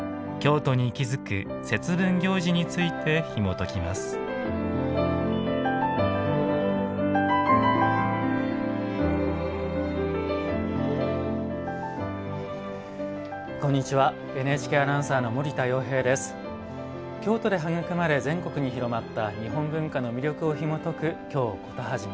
京都で育まれ、全国に広まった日本文化の魅力をひもとく「京コトはじめ」。